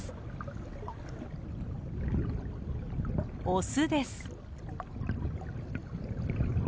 オスです。